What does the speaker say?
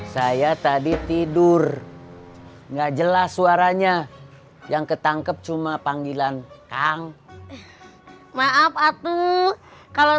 saya tadi tidur enggak jelas suaranya yang ketangkep cuma panggilan kang maaf atu kalau